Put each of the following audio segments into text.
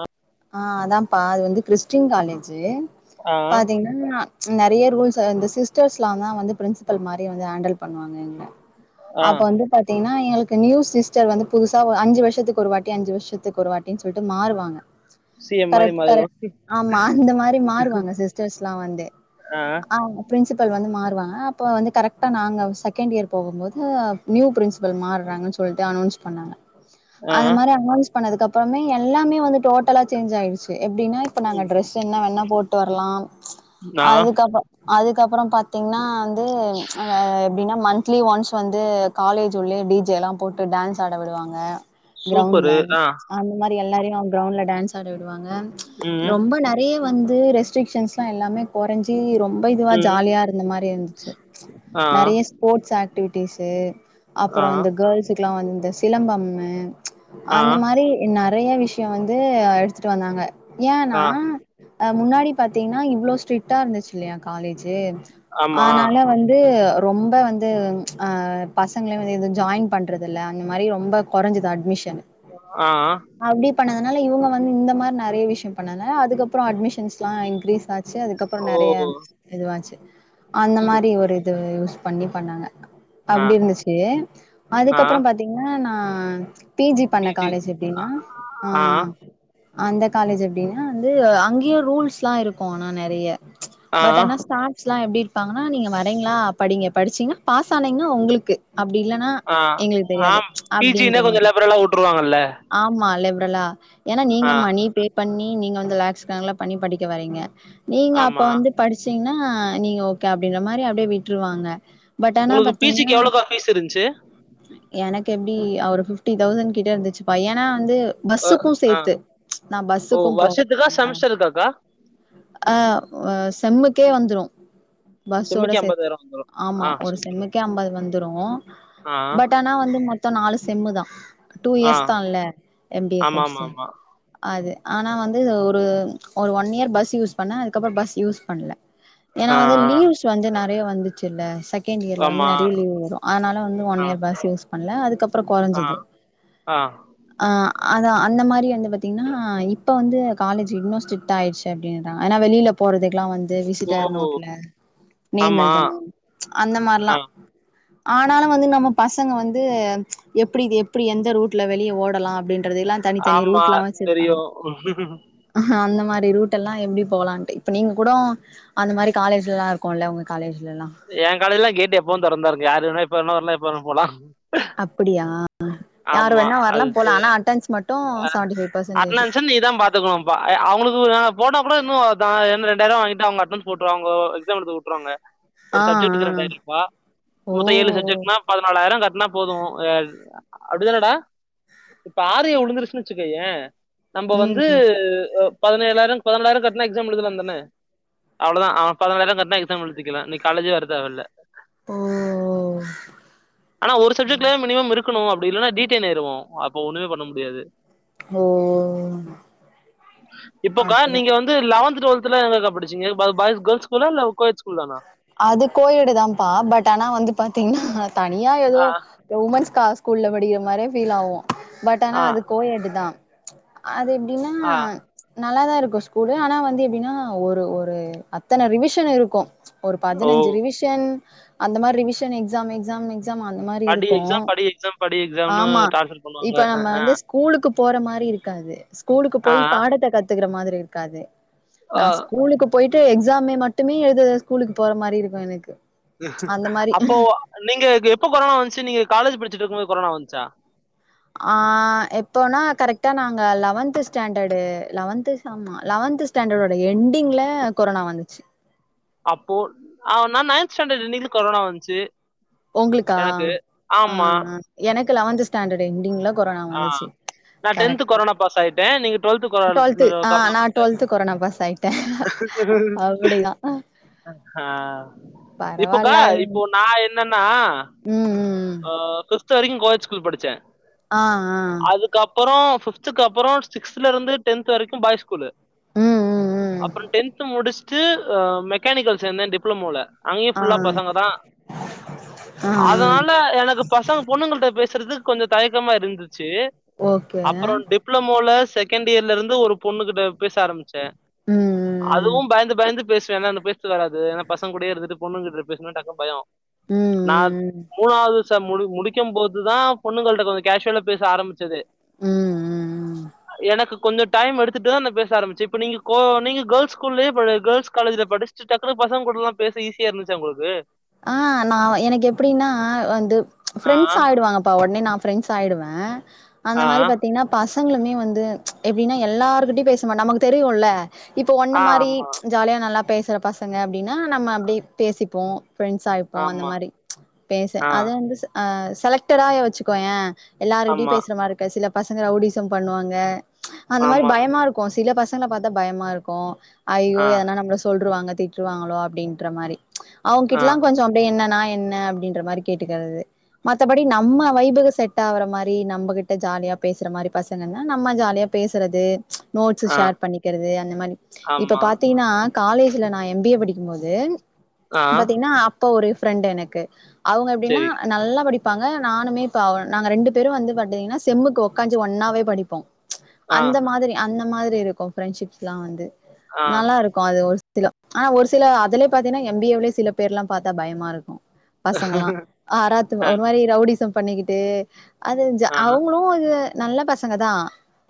ஆ ஆ அதாப்பா அது வந்து கிறிஸ்டின் காலேஜு ஆ பாத்தீங்க னா நெறைய ரூல்ஸ் இந்த சிஸ்டர்ஸ்லா தா வந்து பிரின்சிபல் மாரி வந்து ஹேண்டல் பண்ணுவாங்க இங்க ஆ அப்ப வந்து பா த்தீங்கனா எங்களுக்கு நியூ சிஸ்டர் வந்து புதுசா அஞ்சு வருஷத்து ஒரு வாட்டி அஞ்சு வருஷத்துக்கு ஒருவாட்டினி சொல்லி ட்டு மாறுவாங்க சி எம் மாரி கரெக்ட் மாறிரு கரெக்ட் ஆமா அந்த மாரி மாறுவாங்க சிஸ்டர்ஸ்ல்லா வந்து ஆ அ பிரின்சிபல் வந்து மாறுவாங்க அப்போ வந்து கரெக்டா நாங்க செகண்ட் இயர் போகும்போது நியூ பிரின்சிபல் மாறுறாங்கன்னு சொ ல்லிட்டு அனௌன்ஸ் பண்ணாங்க ஆ அந்த மாரி அனௌன்ஸ் பண்ணதுக்குப்புறமே எல்லாமே வந்து டோட்டலா சேஞ்ச் ஆயிடுச்சு எப்டின்னா இப்ப நாங்க ம் ட்ரெஸ் என்ன வேன்னா போட்டு வரலாம் ஆ அதுக்கப்புற அதுக்கப்புற பாத்தீங்கன்னா வந்து அ எப்டின்னா மந்த்லி ஒன்ஸ் வந்து காலேஜ் உள்ளயே டி ஜே எல்லா போட்டு டான்ஸ் ஆட விடுவாங்க கிரௌண்ட்ல சூப்பரு ஆ அந்த மாரி எல்லாரையு கிரௌண்ட்ல டான்ஸ் ஆட விடுவாங்க ம் ரொம்ப நெ றயே வந்து ரெஸ்ட்ரிக்ஷன்ஸ்லா எல்லாமே கொறச்சி ரொம் அப்ப இதுவா ம் ஜாலியா இருந்த மாரி இருந்துச்சு ஆ நறைய ஸ்போர்ட்ஸ் ஆக்டிவிட்டிஸ்ஸு ஆ அப்புரோ இந்த கேர்ள்ஸுக்குலா வந்து இந்த சிலம்பமு ஆ அந்த மாரி நெறைய விஷயோ வந்து எடுத்துட்டு வந்தாங்க ஏன்னா ஆ அ முன்னாடி பாத்தீங்கன்னா இவ்ளோ ஸ்ட்ரிக்டா இருந்துச்சுலையா காலேஜ் ஆமா அதனால வந்து ரொம்ப வந்து அ பசங்களையு வந்து எதுவு ஜாயின் பண்ணுறது இல்ல அந்த மாரி ரொம்ப கொறைஞ்சிது அட்மிஷன் ஆ ஆ அப்டி பண்ணதுனால இவங்க வந்து இந்த மாரி நெறைய விஷயோ பண்ணாங்க அதுக்கப்புறோ அட்மிஷன்ஸ் எல்லா இன்கிரீஸ் ஆ ச்சு அதுக்கப்புறோ ஓ நெறைய இதுவாச்சு அந்த மாரி சூப்பர் ஒரு இது பண்ணி பண்ணாங்க ஆ அப்டி இருந்துச்சு ஆ அதுக்கப்புற பாத்தீங்கன்னா நா பி ஜி பண்ண காலேஜ் எப்டின்னா ஆ அந்த காலேஜ் எப்டின்னா வந்து அங்கேயு ரூல்ஸ் எல்லா இருக்கு ஆனா நெறைய ஆ பட் ஆனா ஸ்டாஸ்லா எப்டி இருப்பாங்கன்னா நீங்க வரீங்களா படிங்க படிச்சீங்கா பாஸ் ஆனீங்கன்னா உங்களுக்கு அப்டி இல்லன்னா ஆ எங்களுக்கு தெரியாது அப்டின்ற மாரி ட்ருவாங்கல்ல ஆமா லிபரலா ஏன்னா நீங்க மணி பே பண்ணி நீங்க வந்து லேக்ஸ் கணக்குல பண்ணி படிக்க வரீங்க நீங்க அப்ப ஆமா வந்து படிச்சீங்கன்னா நீங்க ஓகே அப்டின்ற மாரி அப்டியே விட்ருவாங்க பட் ஆனா உங்களுக்கு பி ஜி க்கு பாத்தீங்கன்னா எவ்ளோக்கா ஃபீஸ் இருந்துச்சு எனக்கு எப்டி ஒரு பிஃப்டி தௌசண்ட் கிட்ட இருந்துச்சுப்பா ஏன்னா வந்து அ பஸ்ஸுக்கு ஆ சேத்து நா ஓ பஸ்ஸுக்கு போவே வருஷத்துக்கா இல்ல செமஸ்டருக்காக்கா ஆ செம்முக்கே வந்துரு பஸ்ஸோட செம்முக்கு சேத்து எம்பதாயிரோ வந்துரு ஆமா ஆ ஒரு சூப்பரு செம்முக்கே அம்பது வந்துரு ஆ பட் ஆனா வந்து மொத்த நாலு செம்மு தா ஆ இல்ல எம் பி ஏ ஆமா, ஆமா, கோர்ஸு ஆமா. அது ஆனா வந்து ஒரு ஒரு ஒன் இயர் பஸ் யூஸ் பண்ணே அதுக்கப்புறம் பஸ் யூஸ் பண்ல ஏன்னா ஆ, வந்து லீவ்ஸ் வந்து நெறைய வந்துச்சுல்ல செக் கெண்ட் ஆ. இயரில ஆமா. வந்து நெறைய லீவ் வரு அதனால வந்து ஒன் ஆ, இயர் பஸ் யூஸ் பண்ணல அதுக்கப்புற ஆ, கொறஞ்சது ஆ ஆ அதா அந்த மாதிரி வந்து பாத்தீங்னா இப்போ வந்து காலேஜ் இன்னு ஸ்ட்ரிக்ட் ஆயிடுச்சு அப்டின்றாங்க ஆனா வெளியில போறதுக்கெல்லா வந்து ஓ! விசிட்டர் நோட்ல நேம் ஆமா. எழுதணு அந்த ஆ. மாரிலா ஆனாலு வந்து நம்ம பசங்க வந்து எப்டி எப்டி எந்த ரூட் ட்ல வெளிய ஓடலா அப்டின்றத எல்லா தனித்தனி ஆமா, ரூட் எல்லா வச்சிருப்பாங்க தெரியும். ஆ அந்த மாறி ரூட் எல்லா எப்டி போலான்ட்டு இப்ப நீங்க கூடோ அந்த மாரி காலேஜ்ல எல்லா இருக்குல்ல உங்க காலேஜில எல்லா ஏ காலேஜ்ல கேட்டு எப்போவு தோறந்துதா இருக்கு யாருவேனா எப்ப வேணா வரலா எப்ப வேணா போலா அப்டியா யாரு வேணா வரலா அது தெ போலா ஆனா அட்டன்ஸ் மட்டு செவன்ட்டி ஃபைவ் பர்சன்ட்டேஜ் [unintelligible] ஐ அவங்களுக்கு நாங்க போனா கூட இன்னு அதுதா எண் ரெண்டாயிர ரூபாவாங்கிட்டு அவங்க அட்டனன்ஸ் போட்டு அவங்கோ எக்ஸாம் எழுத உட்டுருவாங்க ஆ ஒரு சப்ஜெக்டுக்கு ஆ ரெண்டாயிர ரூபா ஓ மொத்த ஏழு ஓ. சப்ஜெக்ட்னா பதினாலாயரோ கட்னா போது எல்லா அப்டிதானடா இப்ப ஆரிய உழுந்துருச்சுன்னு வச்சுக்கேய நம்ம வந்து ம் ஒவ் பதினேழாயரோ பண்ணென்டாயிரோ கட்னா எக்ஸா எழுதலாதான அவ்ளோதா ஆ பதினாலாயிரம் கட்னா எக்ஸா எழுதிக்கிலா நீ காலேஜே வர தேவயில்ல ஓ ஆனா ஒரு சப்ஜெக்ட்ல மினிமம் இருக் கணும் அப்டி இல்லனா டீடேன் ஆயிருவோ அப்ப ஒன்னுமே பண்ண முடியாது ஓ இப்போக்கா அப்படி நீங்க வந்து இல்ல லெவன்த் டுவெல்த்லா எங்கக்கா படிச்சிங்க பாய்ஸ் கேர்ள்ஸ் ஸ்கூலா இல்ல‌ கோயட் ஸ்கூல்தானா அது கோய்டுதாப்பா பட் ஆனா வந்து பாத்தீங்னா தனியா ஏதோ ஆ உமன்ஸ் கா ஸ்கூல்ல படிக்கிற மாரி ஃபீல் ஆவோ பட் ஆனா ஆ அது கோயட்டு தா அது எப்டினா ஆ நல்லாதா இருக்கு ஸ்கூலு ஆனா வந்து எப்டினா ஒரு ஒரு அத்தன ரிவிஷன் இருக்கு ஒரு ஓ பதினைஞ்சி ரிவிஷன் அந்த மாரி ரிவிஷன் எக்ஸா எக்ஸா எக்ஸா அந் மாரி படி இருக்கு எக்ஸாம் படி எக்ஸாம் படி எக்ஸாம்னு ஆமா டார்ச்சர் பண்ணுவாங்க இப்ப நம்ம வந்து கூ ஸ்கூலுக்கு போற மாரி இருக்காது ஸ்கூலுக்கு ஆ போய் பாடத்த கத்துக்கிற மாறி இருக்காது ஆ. நா ஸ்கூலுக்கு போயிட்டு எக்ஸாமே மட்டுமே எழுத ஸ்கூலுக்கு போற மாரி இருக்கு எனக்கு அந்த மாரி அப்போ நீங்க எப்போ கொரனா வந்துச்சு நீங்க காலேஜ் படிச்சிட்டு இருக்குபோது கொரனா வந்துச்சா ஆ எப்போனா கரெக்டா நாங்க லெவன்த் ஸ்டாண்டர்டு லெவன்த்ஸ் ஆமா லெவன்த் ஸ்டாண்டர்டோட என்டிங்ல கொரோனா வந்துச்சு அப்போ ஆவ் நா நைன்த் ஸ்டாண்டர்ட் இன்னிலிருந்து கொரோனா வந்துச்சி உங்களுக்கா எனக்கு ஆ ஆமா ஆ எனக்கு லெவன்த் ஸ்டாண்டர்ட்‌‌ என்டிங்ல ஆ நா டென்த் கொரோனா பாஸ் ஆயிட்ட நீங்க டுவெல்து கொரானா டுவெல்த் [unintelligible] ஆ கொரோனா நா வந்து டுவெல்த் கொரோனா பாஸ் ஆயிட்டே அப்டிதா ஹா பரவால்ல இப்பக்கா அது இப்போ ஒன் நா என்னன்னா ம் ம் ஆ பிப்த் வரைக்கு கோயட் ஸ்கூல் படிச்ச ஆ‌ ஆ இதுக்கு அப்ரோ பிப்த்துக்கு அப்ரோ சிக்ஸ்த்ல இருந்து டென்த் வரைக்கு பாய்ஸ் ஸ்கூலு ம் ம் ம் அப்ரோ டென்த் முடிச்சிட்டு ஆ மெக்கானிக்கல் சேந்த டிப்ளமோல அங்கேயு ஆ புல்லா பசங்க ஆ தா ஆ அதனால எனக்குப் பசங்க பொண்ணுங்கள்ட பேசுறதுக்கு கொஞ்சோ தயக்கமா இருந்துச்சி ஓகே அப்ரோ டிப் டிப்ளமோல செகண்ட் இயர்ல இருந்து ஒரு பொண்ணு கிட்ட பேச ஆரம்பிச் ச்ச அதுவு ம் பயந்து பயந்து பேசுவேன்னா அந்தபே [unintelligible] வராது என்னா பசங்க கூடயே இருந்துட்டு பொண்ணுகிட்டு பேசனு டக்குனு பயோ ம் ம் நா ம் மூணாவ்து எக்ஸாம் முடி முடிக்கு போதுதா பொண்ணுங்கள்ட்ட கொஞ்ச கேஷுவல பேச ஆரம்பிச்சது ம் ம் ம் எனக்கு கொஞ்சோ டைம் எடுத்துட்டு தா நா பேச ஆரம்பிச்ச இப்ப நீங்க கோ நீங்க கேள்ஸ் ஸ்கூல்லயே படி கேள்ஸ்காலேஜ்லா படிச் சு டக்குனு பசங்க கூட எல்லா பேச ஈஸியா இருந்துச்சா உங்களுக்கு ஆ நா எனக்கு எப்டின்னா வந்து ஆ ஃப்ரெண்ட்ஸ் ஆயிடுவாங்கப்பா உடனே நா ஃபிரெண்ட்ஸ் ஆயிடுவே அந்த ஆ மாரி பாத்தீங்கன்னா பசங்களுமே வந்து எப்டின்னா எல்லாருக்கிட்டயு பேச மாட்ட நமக்கு தெரியுல்ல இப்ப ஒன்ன ஆ மாரி ஆமா ஜாலியா நல்லா பேசுற பசங்க அப்டின்னா நம்ம அப்டி பேசிப்போ ஃப்ரெண்ட்ஸ் ஆயிப்போ அந்த ஆமா மாரி பேச ஆ அத வந்து செல ஆ செலக்ட்டா வச்சுக்கோ ஏ எல்லாரருக்கிட்டயு ஆமா பேசுற மாரி இருக்க சில பசங்க ரவுடிச பண்ணுவாங்க அந்த மாரி ஆமா பயமா இருக் கு சில பசங்கல பாத்தா பயமா இருக்கு அய்யோ ஆ எதனா நம்மள சொல்லருவாங்க திட் டிவிருவாங்களோ அப்டின்ற மாரி அவுங்க ஆ கிட்ட எல்லா கொஞ்சோ அப்டியே என்னா என்ன அப்டின்ற மாரி கேட்டுக்கிறது மத்தபடி நம்ம வைபுக செட் ஆகுற மாரி நம்மகிட்ட ஜாலியா பேசுற மாரி பசங்க தா நம்ம ஜாலியா பேசுறது நோட்ஸ்ஸு ஆ ஷேர் பண்ணிக்கிறது அந்த மாரி இப்ப ஆமா பாத்தீனா காலேஜல நா எம் பி ஏ படிக்கு போது ஆ திங்னா அப்ப ஒரு ஃப்ரெண்ட் எனக்கு அவுங்க எப்டின்னா சரி நல்லா படிப்பாங்க நானுமே இப்ப நாங்க ரெண்டு பேரு வந்து பாத்திங்கன்னா செம்முக்கு உக்காஞ்சு ஒண்ணாவே படிப்போ ஆ அந்த மாதிரி அந்த மாதிரி இருக்கு ஃபிரண்ட்ஷிப்லா வந்து ஆ நல்லாருக் கு அது ஒரு சில ஆனா ஒரு சில அதுலய பாத்தீங்கன்னா எம் பி ஏ லயே சில பேர் எல்லா பாத்தா பயமா இருக்கு பசங்கல்லா அ அராத்து அ ஒரு மாரி ரவுடிசம் பண்ணிக்கிட்டு அது ஜா ஆ அவுங்களு வந்து நல்ல பசங்க தா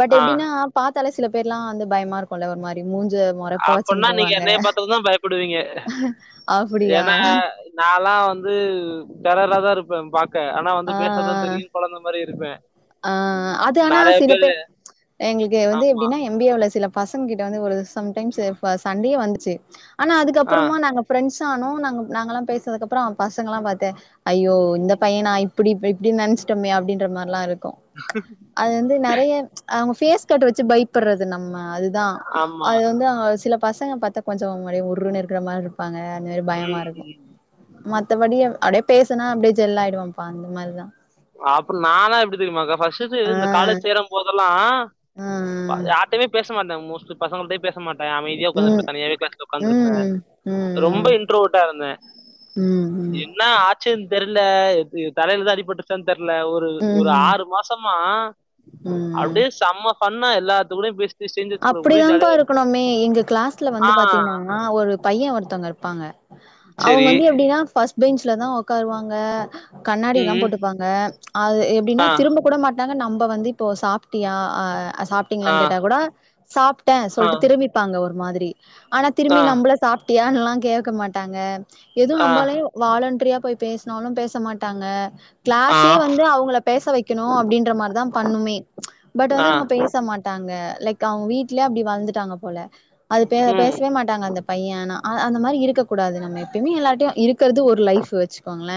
பட் ஆ எப்டினா பாத்தாலே சில பேர் லா வந்து பயமா இருக்குல ஒரு மாரி மூஞ்ச மொறப்பா அப்புனா வச்சுன்னு நீங்க போவாங்க என்னைய பாத்துந்தா பயப்படுவீங்க அப்படியா ஏனா நாலா வந்து டெரரா தா இருப்ப பாக் க ஆனா வந்து ஆ பேசாதா ஆ தெரியு கொழந்த மாரி இருப்ப ஆ அது ஆனா நெறைய சில பேர் எங்களுக்கு வந்து எப்டின்னா நம்பிக்கள்ள சில பசங்க கிட்ட வந்து ஒரு சம்டைம்ஸ்ஸு சண்டேயே வந்துச்சு ஆனா ஆ. அதுக்கப்பறமா நாங்க ஃபிரண்ட்ஸ் ஆனோ நாங்க நாங்கல்லா பேசதுக்கப்பறோ அ பசங்க எல்லா பாத்து ஐயோ இந்த ம். பையனா இப்டி போய் இப்டி நெனைச்சிட்டோமே அப்டின்ற மாரிலா இருக்கு அது வந்து நெறைய அவுங்க ஃபேஸ் கட் வச்சு பைப்படுறது நம்ம அதுதா ஆமா. அது வந்து அவுங்கள சில பசங்க பாத்தா கொஞ்ச அப்டியே உருனு இருக்கிற மாரி இருக் ப்பாங்க அந்த மாரி பயமா இருக்கு ம். மத் மத்தபடிய அப்டியே பேசுன அப்டியே ஜெல் ஆயிடுவான்ப்பா அந்த மாரிதா அப்றோ நாலா எப்டி தெரியுமாக்கா ஃபர்ஸ்ட் இது ஆ இந்த கால்லேஜ் சேரு போதெல்லா ஆ யார்டையுமே பேச மாட்டே மோஸ்ட் பசங்கள் டையே பேச மாட் டா அமைதியா உக்காந்து ம் இருப்ப தனியாவே கிளாஸ்ல ம் உக்காந்து இருப்பே ம் ரொம்ப ம் இன் ட்ரோவேர்ட் இருந்தே ம் என்னா ஆச்சின் தெர்ல [inaudible] தலையில தா அடிப்பட்டு ச்சன் தெர்ல ஒரு ஒரு ம் ஆறு மாசமா ம் அப்டே செம்ம ஃபன்னா எல்லாத்து கூடய பேச் அப்டிதா பா இருக்கணுமே எங்க கிளாஸ்ல வந்து ஆ. பாத்தீங்னா அ ஒரு பைய ஒருத்தவங்க இருப்பாங்க அவுங்க சரி. வந்து எப்டினா ஃபஸ் பீன்ஸ்ல தா ஒக்காருவாங்க கண்ணாடி லா ம். போட்டுப்பாங்க அது எப்டின்னா ஆ, திரும்ப கூட மாட் டாங்க நம்ம வந்து இப்போ சாப்டியா அ சாப்டீங்களா ஆ, கேட்டா கூட சாப்டே ஆ, சொல்டு திரு ம்பிப்பாங்க ஒரு மாதிரி ஆனா ஆ, திரும்பி நம்மள சாப்டியான்னு லாம் கேக்க மாட்டாங்க எது ஆ, நம்பாலையே வாலண்டிரியா போய் பேசுனாலு பேச மாட்டாங்க ஆ, கிளாஸே வந்து அவங்கள பேச வைக்கணு அப்படின்ற மாரிதா பண்ணுமே பட் ஆ, வந்து அவங்க பேச மாட் ட்டாங்க லைக் அவங்க வீட்லயே அப்படி வளந்துடாங்க போல அது பே ம். பேசவே மாட்டாங்க அந்த பையன் ஆனா அந்த மாதிரி இருக்கக் கூடாது நம்ம எப்பயுமே எல்லாிட்டையும் இருக்கிறது ஒரு லைஃப் வச்சு கோங்களே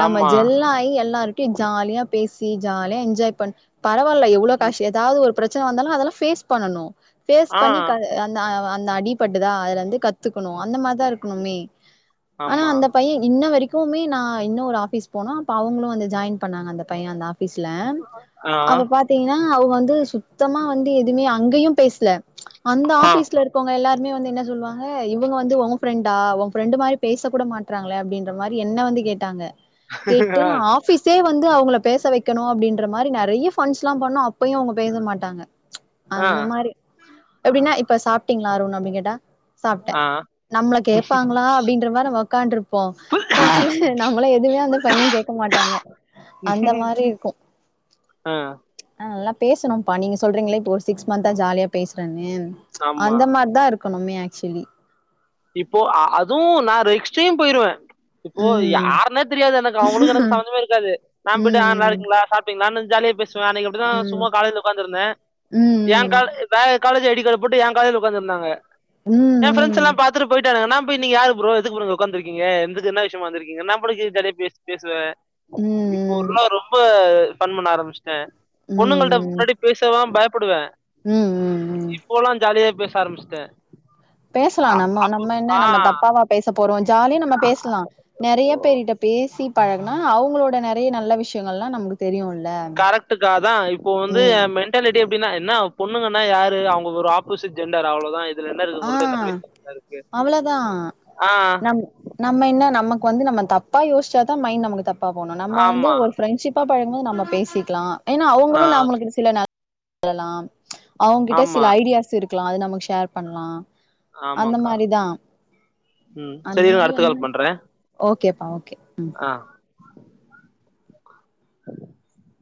நம்ம ஆமா. ஜெல்லாயி எல்லா இருக் டி ஜாலியா பேசி ஜாலியா என்ஜாய் பண் பரவால்ல எவ்வளோ ம். காஷ் ஏதாவது ஒரு பிர சன வந்தாலு அதெல்லா ஃபேஸ் பண்ணணு ஃபேஸ் ஆ, பண்ணிக்கா அந்த அ அந்த அடிபட்டுதா அதுல இருந்து கத்துக்கணு அந்த மாதிரிதான் இருக்கணுமே ஆனா ஆமா. அந்த பையன் இன்ன வரைக்குமே நா இன்னொ ஒரு ஆஃபீஸ் போனோ அப்ப அவங்களு வந்து ஜாயின் பண்ணாங்க அந்த பையன் அந்த ஆ ஃபீஸ்ல ஆ, அப்ப பாத்தீங்கனா அவங்க வந்து சுத்தமா வந்து எதுவுமே அங்கயு பேசல அந்த ஆ, ஆஃபிஸ்ல இரு கவுங்க எல்லாருமே வந்து என்ன சொல்லுவாங்க இவுங்க வந்து உன் ஃப்ரெண்டா உன் ஃப்ரண்டு மாரி பேச கூட மாட் றாங்களே அப்படின்ற மாதிரி என்ன வந்து கேட்டாங்க கேட்டு ஆ, ஆஃபிஸே வந்து அவங்கள பேச வக்கணு அப்படின்ற மாரி நெறைய ஃபண்ஸ் எல்லாம் பண்ணோ அ ப்பயும் அவங்க பேச மாட்டாங்க ஆ, அந்த மாரி எப்படின்னா இப்ப சாப்பிட்டீங்களா அருண் அப்டி கேட்டா சாப்ட்டே ஆ நம்மள கேப்பாங்களா அப்டின்ற மாரி நம்ம ஒக்கான்ட்ருப்போ கடைசில நம்மள எதுவுமே அந்த பையன் கேட்க மாட்டாங்க அந்த மாரி இருக்கும் ஆ ஆ நல்லா பேசணும்ப்பா நீங்க சொல்றீங்களே இப்போ ஒரு சிக்ஸ் மந்த்தா ஜாலியா பேசுறேன்னு ஆமா. அந்த மாரிதா இருக்கணுமே ஆக்சுவலி இப்போ அ அதுவும் நா ரிக்ஸ்டையும் போயிருவேன் இப்போ ம் யாருனே தெரியாது எனக்கு அவங்களுக்கு எனக்கு ம் சம்மந்தமே இருக்காது நா போயிட்டு ஆ நல்லா ம் இருக்கிங்களா சாப் ட்டிங்களானு ஜாலியா பேசுவே அன்னைக்கு அப்படித்தா சும்மா ம் காலேஜ்ல ஒக்காந்திருந்தே ஏ ம் கால் வேற காலேஜ் ஐடி கார்டு போட்டு எ காலேஜ்ல ஒட்காந்துருந்தாங்க ம் என் ஃபிரண்ட்ஸ் எல்லா ம் பாத்துட்டு போயிட்டானுங்க நா போய் நீங்க யாரு ப்ரோ எதுக்கு ப்ரோ ஒக்காந்துருக்கீங்க எதுக்கு என்ன விஷயமா வந்துருக்கீங்க நா [unintelligible] பேசுவே ம் இப்ப ம் ஒருனா ரொம்ப ஃபன் பண்ண ஆரம்பிச் டே பொண்ணுங்கள்ட முன்னாடி பேசலா பயப்புடுவே ம் ம் ம் இப்போலா ஜாலியா பேச ஆரம்பிச்சுட்டே பேசலா நம்ம நம்ம என்ன நம்ம தப்பாவா பேச போறோ ஜாலியா நம்ம பேசலா நெறைய பேருட்ட பேசி பழகுனா அவங்களோட நெறைய நல்ல விஷயங்கள் எல்லா நமக்கு தெரியுல கரெக்டுக் கா அதா இப்போ வந்து எ மென் ன்டாலிட்டி அப்படின்னா என்ன பொண்ணுங்கனா யாரு அவங்க ஒரு ஆப்போசிட் ஜெண்டர் அவ்ளோதா ஆ அவ்ளோதா ஆ நம் நம்ம என்ன நமக்கு வந்து நம்ம தப்ப யோசிச்சாதா மைண்ட் நமக்கு தப்பா போணு நம்ம வந்து ஆமா ஒரு ஃப்ரெண்ட்ஷிப் ப்பா பழகும்போது நம்ம பேசிக்கலா ஏனா ஆ அவங்களு நம்மளுக்கு சில ந [inaudible] லா அவங்க கிட்ட ஆமா சில ஐடியாஸ் இருக்கலா அது நமக்கு ஷேர் பண்லா அந்த ஆமாங்க்கா மாரிதா ம் அந்த சரி இருங்க மாரி அடுத்த வந் கால் ஓகேப்பா ஓகே ம் அ [unintelligible]